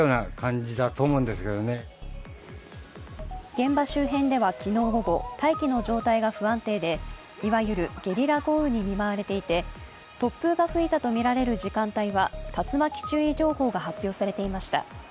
現場周辺では、昨日午後、大気の状態が不安定でいわゆるゲリラ豪雨に見舞われていて、突風が吹いたとみられる時間帯は竜巻注意情報が発表されていました。